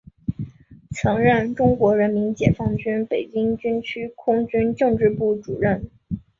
曾任中国人民解放军北京军区空军政治部主任。